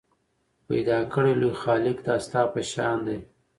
پیدا کړی لوی خالق دا ستا په شان دی